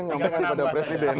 ngomongin pada presiden